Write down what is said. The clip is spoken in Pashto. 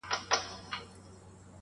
په سبب د لېونتوب دي پوه سوم یاره,